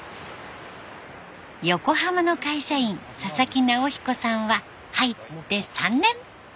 横浜の会社員佐々木直彦さんは入って３年。